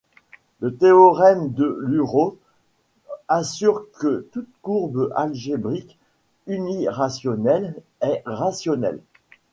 Le théorème de Lüroth assure que toute courbe algébrique unirationnelle est rationnelle.